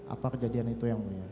apa kejadian itu ya muridnya